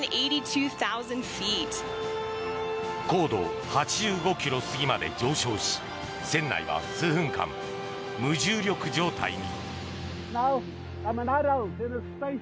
高度８５ｋｍ過ぎまで上昇し船内は数分間無重力状態に。